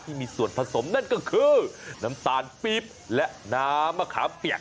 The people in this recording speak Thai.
ที่มีส่วนผสมนั่นก็คือน้ำตาลปิ๊บและน้ำมะขามเปียก